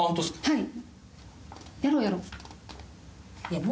はい。